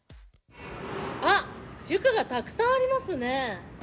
あっ塾がたくさんありますね。